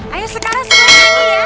ayoo sekarang sekara nyanyi ya